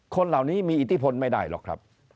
คนเหล่านี้มีอิทธิพลไม่ได้หรอกครับ